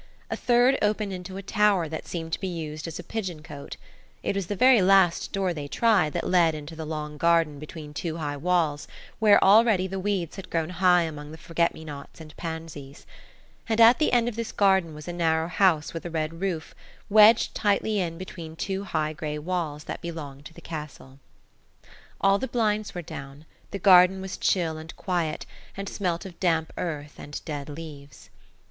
A third opened into a tower that seemed to be used as a pigeon cote. It was the very last door they tried that led into the long garden between two high walls, where already the weeds had grown high among the forget me nots and pansies. And at the end of this garden was a narrow house with a red roof, wedged tightly in between two high grey walls that belonged to the castle. All the blinds were down; the garden was chill and quiet, and smelt of damp earth and dead leaves.